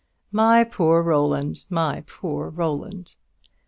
My poor Roland! my poor Roland!"